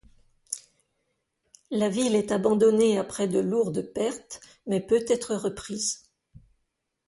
La ville est abandonnée après de lourdes pertes, mais peut être reprise.